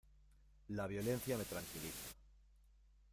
La violencia me tranquiliza.